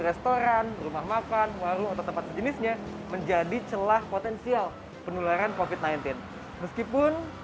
restoran rumah makan warung atau tempat sejenisnya menjadi celah potensial penularan kofit sembilan belas meskipun